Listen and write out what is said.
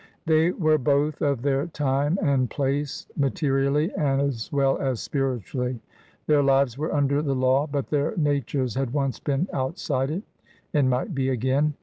They were both of their time and place, materially as well as spiritually; their lives were under the law, but their natures had once been outside it, and might be again.